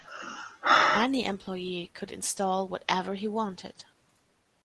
Any employee could install whatever he wanted.